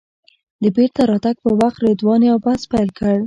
د بېرته راتګ په وخت رضوان یو بحث پیل کړ.